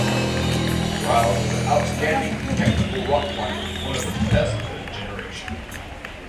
Rouse was an outstanding technical rock climber, one of the best of his generation.